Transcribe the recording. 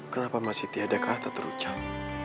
kenapa masih tiada kata terucap